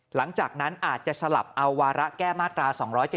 หลังจากนั้นอาจจะสลับเอาวาระแก้มาตรา๒๗๒